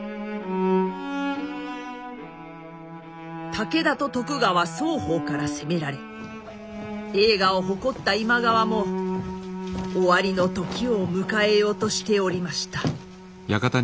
武田と徳川双方から攻められ栄華を誇った今川も終わりの時を迎えようとしておりました。